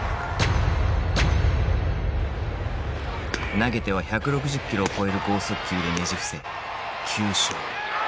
投げては１６０キロを超える剛速球でねじ伏せ９勝。